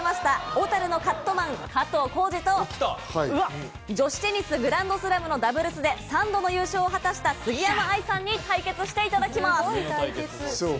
小樽のカットマン・加藤浩次と女子テニスグランドスラムのダブルスで３度の優勝を果たした杉山愛さんに対決していただきます。